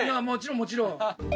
もちろんもちろん。